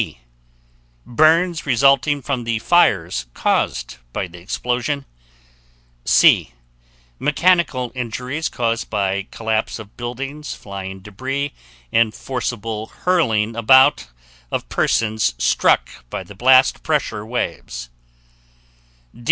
B. Burns resulting from the fires caused by the explosion. C. Mechanical injuries caused by collapse of buildings, flying debris, and forceable hurling about of persons struck by the blast pressure waves.